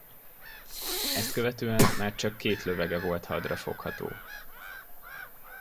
Ezt követően már csak két lövege volt hadra fogható.